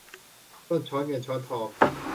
ต้นช้อนเงินช้อนทอง